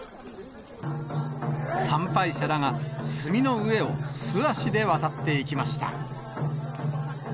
参拝者らが炭の上を素足で渡っていきました。